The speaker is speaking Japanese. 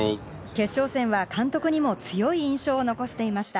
決勝戦は監督にも強い印象を残していました。